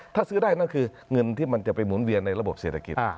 ถ้าซื้อได้นั่นคือเงินที่มันจะไปหมุนเวียนในระบบเศรษฐกิจ